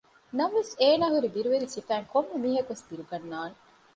ނަމަވެސް އޭނާ ހުރި ބިރުވެރި ސިފައިން ކޮންމެ މީހަކުވެސް ބިރުގަންނާނެ